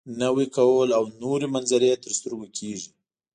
نوی کهول او نوې منظرې تر سترګو کېږي.